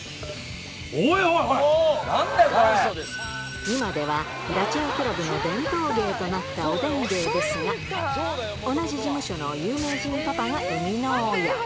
おいおい、今ではダチョウ倶楽部の伝統芸となったおでん芸ですが、同じ事務所の有名人パパが生みの親。